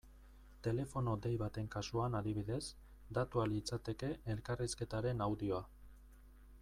Telefono dei baten kasuan, adibidez, datua litzateke elkarrizketaren audioa.